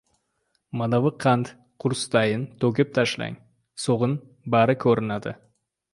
— Manavi qand- qursdayin to‘kib tashlang, so‘g‘in, bari ko‘rinadi!